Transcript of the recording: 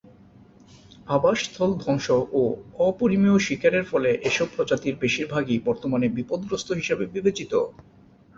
আবাসস্থল ধ্বংস ও অপরিমেয় শিকারের ফলে এসব প্রজাতির বেশিরভাগই বর্তমানে বিপদগ্রস্ত হিসেবে বিবেচিত।